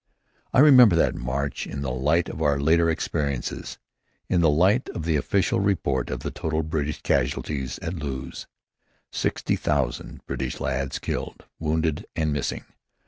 I remember that march in the light of our later experiences, in the light of the official report of the total British casualties at Loos: sixty thousand British lads killed, wounded, and missing.